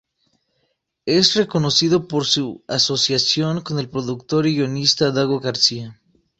Es reconocido por su asociación con el productor y guionista Dago García.